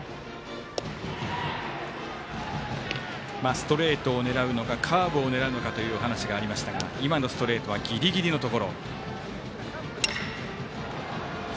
ストレートを狙うのかカーブを狙うのかという話がありましたが今のストレートはギリギリのところ。